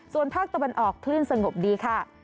ส่วนภาคตะวันออกคลื่นสงบดีค่ะ